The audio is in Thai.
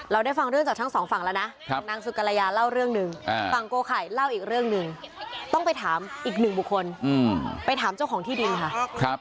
ได้ฟังเรื่องจากทั้งสองฝั่งแล้วนะนางสุกรยาเล่าเรื่องหนึ่งฝั่งโกไข่เล่าอีกเรื่องหนึ่งต้องไปถามอีกหนึ่งบุคคลไปถามเจ้าของที่ดินค่ะ